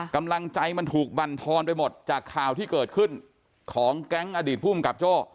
กำลังใจมันถูกบรรทอนไปหมดจากข่าวที่เกิดขึ้นของแก๊งอดีตภูมิกับโจ้